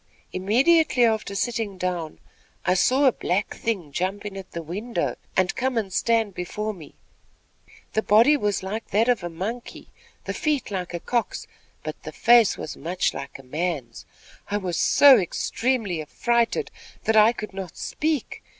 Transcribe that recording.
Immediately after sitting down, I saw a black thing jump in at the window and come and stand before me. The body was like that of a monkey, the feet like a cock's; but the face was much like a man's. I was so extremely affrighted, that I could not speak.